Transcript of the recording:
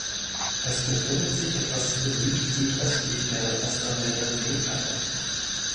Es befindet sich etwas südsüdöstlich der Westerwälder Seenplatte.